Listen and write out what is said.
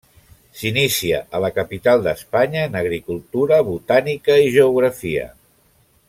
S'inicia a la capital d'Espanya en agricultura, botànica i geografia.